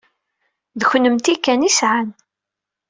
D kennemti kan i sɛan.